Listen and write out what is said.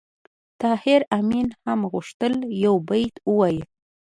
طاهر آمین هم غوښتل یو بیت ووایي